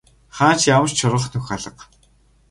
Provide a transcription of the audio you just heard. Хаана ч ямар ч шургах нүх алга.